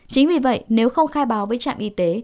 chính vì vậy nếu không khai báo với trạm y tế